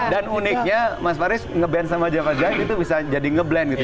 dan uniknya mas faris ngeband sama java jive itu bisa jadi ngeblend gitu